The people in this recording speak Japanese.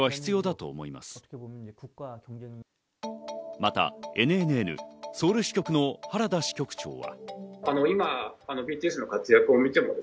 またＮＮＮソウル支局の原田支局長は。